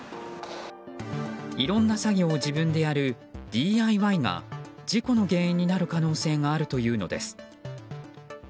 いろんな作業を自分でやるＤＩＹが事故の原因になる可能性があるというのです。